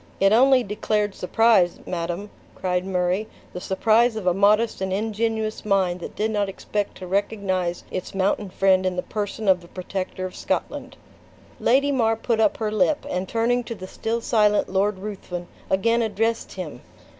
"It only declared surprise, madam," cried Murray, "the surprise of a modest and ingenuous mind that did not expect to recognize its mountain friend in the person of the protector of Scotland." Lady mar put up her lip, and turning to the still silent Lord Ruthven, again addressed him.